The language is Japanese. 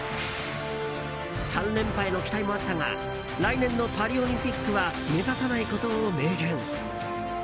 ３連覇への期待もあったが来年のパリオリンピックは目指さないことを明言。